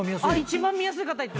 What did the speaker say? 一番見やすい方。